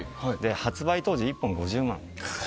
発売当時、１本５０万。